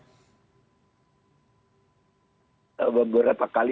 atau menggenjot intensitas pajak misalnya